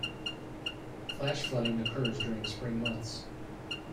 Flash flooding occurs during spring months.